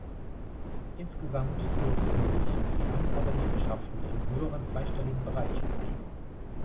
Insgesamt dürfte sich die Anzahl der Liegenschaften "im höheren zweistelligen Bereich" bewegen.